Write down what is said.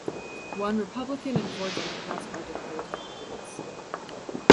One Republican and four Democrats are declared candidates.